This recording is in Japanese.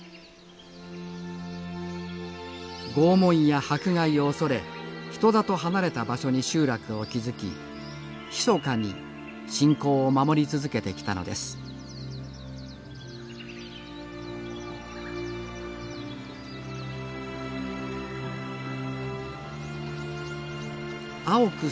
拷問や迫害を恐れ人里離れた場所に集落を築き密かに信仰を守り続けてきたのです青く